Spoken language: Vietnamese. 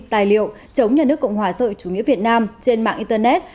tài liệu chống nhà nước cộng hòa sội chủ nghĩa việt nam trên mạng internet